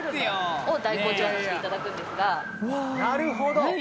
なるほど！